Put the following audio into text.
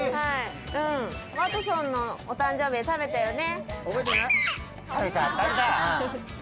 ワトソンの誕生日で食べたよね？